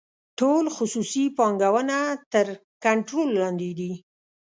ټول خصوصي بانکونه تر کنټرول لاندې دي.